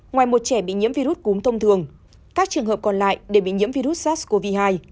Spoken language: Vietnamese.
ngoài một trẻ bị nhiễm virus cúm thông thường các trường hợp còn lại đều bị nhiễm virus sars cov hai